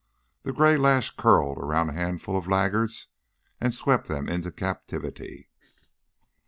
The gray lash curled around a handful of laggards and swept them into captivity.